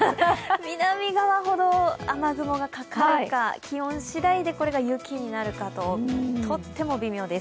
南側ほど雨雲がかかるか、気温しだいでこれが雪になるかととっても微妙です。